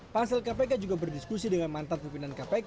pansel kpk juga berdiskusi dengan mantan pimpinan kpk